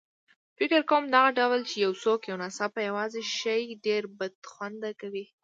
فکر کوم دغه ډول چې یو څوک یو ناڅاپه یوازې شي ډېر بدخوند کوي.